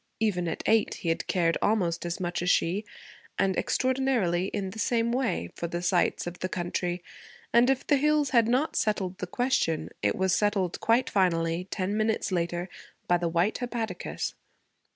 even at eight he had cared almost as much as she, and extraordinarily in the same way, for the sights of the country; and if the hills had not settled the question, it was settled, quite finally, ten minutes later, by the white hepaticas.